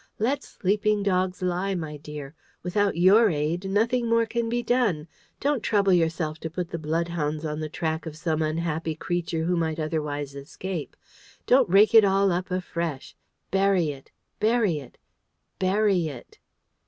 Let sleeping dogs lie, my dear. Without your aid, nothing more can be done. Don't trouble yourself to put the blood hounds on the track of some unhappy creature who might otherwise escape. Don't rake it all up afresh. Bury it bury it bury it!"